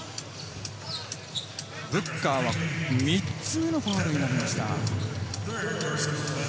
ブッカーは３つ目のファウルになりました。